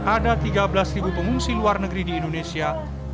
ada tiga belas pengungsi luar negeri di indonesia